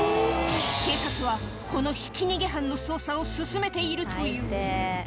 警察はこのひき逃げ犯の捜査を進めているという。